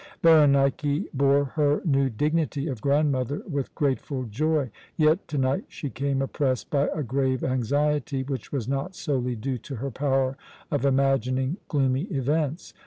Berenike bore her new dignity of grandmother with grateful joy, yet to night she came oppressed by a grave anxiety, which was not solely due to her power of imagining gloomy events.